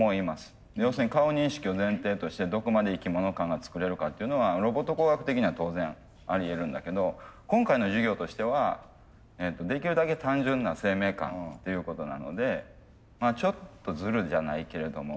要するに顔認識を前提としてどこまで生き物感が作れるかっていうのはロボット工学的には当然ありえるんだけど今回の授業としてはできるだけ単純な生命感っていうことなのでちょっとズルじゃないけれども。